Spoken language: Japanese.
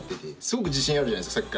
すごく自信あるじゃないですか。